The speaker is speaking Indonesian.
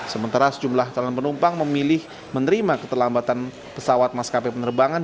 sementara sejumlah calon penumpang memilih menerima keterlambatan pesawat maskapai penerbangan